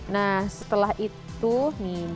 nah setelah itu nih